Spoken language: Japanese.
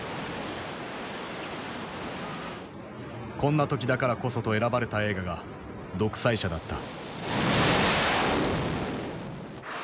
こんな時だからこそと選ばれた映画が「独裁者」だった。